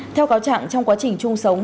theo cáo chẳng trong quá trình chung sống